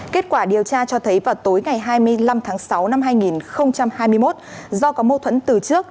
kết quả điều tra cho thấy vào tối ngày hai mươi năm tháng sáu năm hai nghìn hai mươi một do có mâu thuẫn từ trước